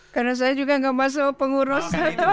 karena saya juga gak masuk pengurus